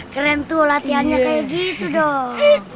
keren tuh latihannya kayak gitu dong